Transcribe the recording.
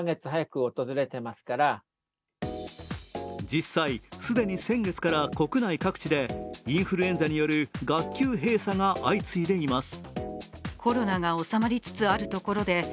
実際、既に先月から国内各地でインフルエンザによる学級閉鎖が相次いでいてます。